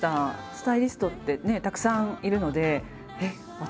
スタイリストってねたくさんいるのでえっ私？